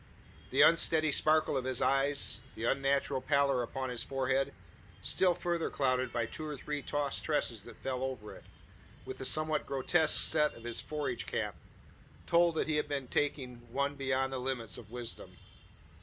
The unsteady sparkle of his eyes, the unnatural pallor upon his forehead still further clouded by two or three tossed tresses that fell over it with the somewhat grotesque set of his forage cap told that he had been taking one beyond the limits of wisdom.